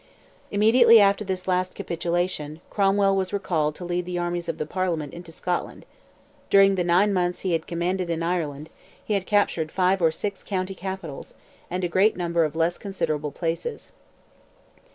Immediately after this last capitulation, Cromwell was recalled to lead the armies of the Parliament into Scotland: during the nine months he had commanded in Ireland, he had captured five or six county capitals, and a great number of less considerable places.